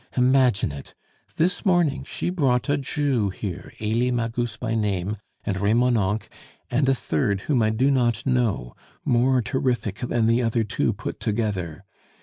Imagine it! This morning she brought a Jew here, Elie Magus by name, and Remonencq, and a third whom I do not know, more terrific than the other two put together.